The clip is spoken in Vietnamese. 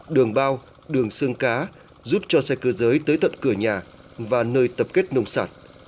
đường bao đường xương cá giúp cho xe cơ giới tới tận cửa nhà và nơi tập kết nông sản